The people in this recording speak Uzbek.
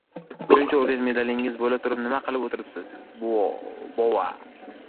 — Shuncha orden-medalingiz bo‘laturib, nima qilib o‘tiribsiz, bova?